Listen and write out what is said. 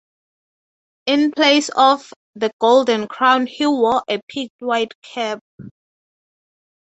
In place of the golden crown he wore a peaked white cap.